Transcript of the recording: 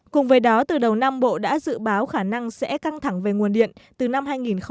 cùng với đó từ đầu năm bộ đã dự báo khả năng sẽ căng thẳng về nguồn điện từ năm hai nghìn hai mươi